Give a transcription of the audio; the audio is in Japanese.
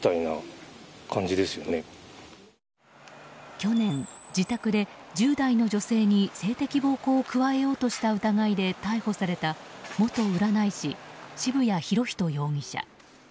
去年、自宅で１０代の女性に性的暴行を加えようとした疑いで逮捕された元占い師渋谷博仁容疑者。